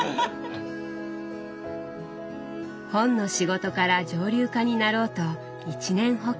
本の仕事から蒸留家になろうと一念発起。